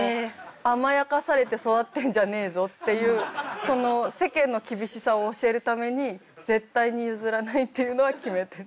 甘やかされて育ってんじゃねえぞっていう世間の厳しさを教えるために絶対に譲らないっていうのは決めてる。